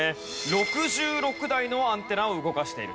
６６台のアンテナを動かしていると。